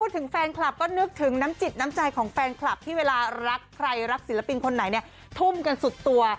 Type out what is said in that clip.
ถึงแฟนคลับก็นึกถึงน้ำจิตน้ำใจของแฟนคลับที่เวลารักใครรักศิลปินคนไหนเนี่ยทุ่มกันสุดตัว